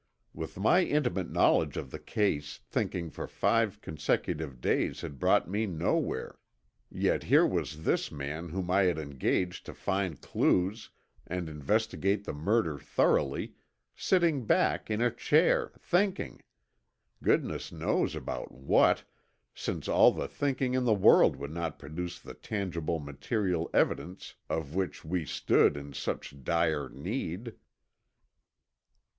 With my intimate knowledge of the case thinking for five consecutive days had brought me nowhere, yet here was this man whom I had engaged to find clues and investigate the murder thoroughly, sitting back in a chair thinking goodness knows about what, since all the thinking in the world would not produce the tangible material evidence of which we stood in such dire need!